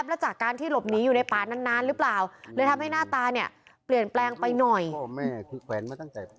พ่อกับแม่เดี๋ยวแล้วหลักมีลูกพ่อหนู